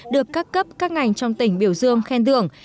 được các cấp các ngành trong tỉnh biểu dương khen thưởng